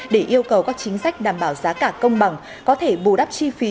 để yêu cầu các chính sách đảm bảo giá cả công bằng có thể bù đắp chi phí